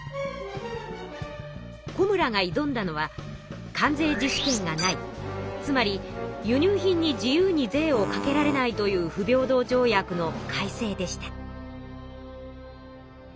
小村が挑んだのは関税自主権がないつまり輸入品に自由に税をかけられないという不平等条約の改正でした。